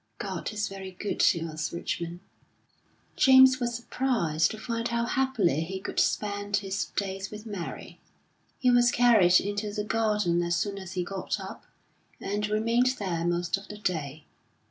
"God is very good to us, Richmond." James was surprised to find how happily he could spend his days with Mary. He was carried into the garden as soon as he got up, and remained there most of the day.